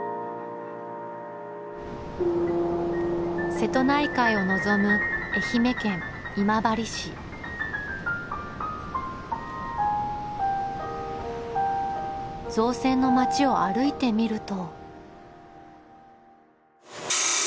瀬戸内海を望む造船の町を歩いてみると。